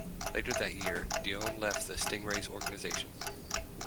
Later that year, Dionne left the Stingrays organization.